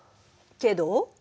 けど？